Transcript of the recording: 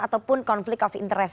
ataupun konflik of interest